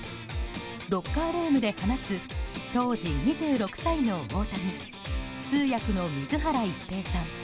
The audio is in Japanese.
ロッカールームで話す当時２６歳の大谷通訳の水原一平さん